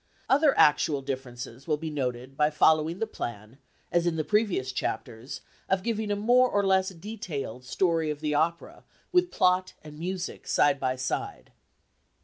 Other actual differences will be noted by following the plan, as in the previous chapters, of giving a more or less detailed story of the opera, with plot and music side by side.